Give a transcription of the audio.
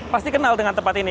pasti kenal dengan tempat ini